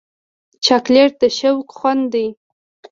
چاکلېټ د شوق خوند دی.